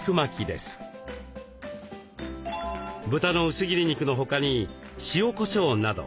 豚の薄切り肉の他に塩こしょうなど。